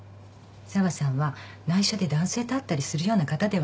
紗和さんは内緒で男性と会ったりするような方ではありません。